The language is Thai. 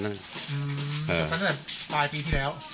ตั้งแต่ปลายปีที่แล้ว